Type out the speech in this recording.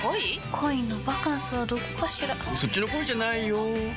恋のバカンスはどこかしらそっちの恋じゃないよ